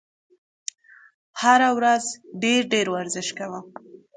هره ورځ ډېر ډېر ورزش کوه !